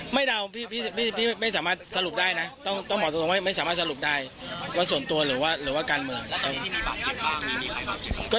วิธีที่ส่งมาจากการการภัยไม่หรือบาดเจ็บ